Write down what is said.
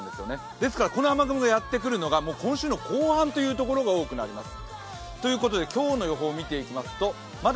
ですからこの雨雲がやってくるのが今週の後半というところが多くなります。